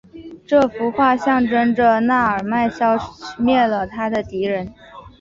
这幅画象征着那尔迈消灭了他的敌人。